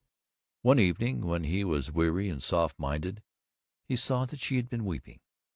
One evening when he was weary and soft minded, he saw that she had been weeping.